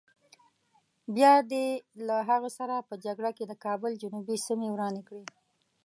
بیا دې له هغه سره په جګړه کې د کابل جنوبي سیمې ورانې کړې.